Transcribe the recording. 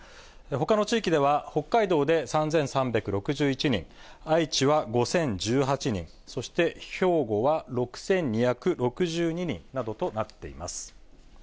ほかの地域では、北海道で３３６１人、愛知は５０１８人、そして兵庫は６２６２人などとなっています。